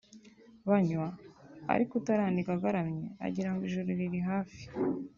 banywa ariko utaranigwa agaramye agira ngo ijuru riri hafi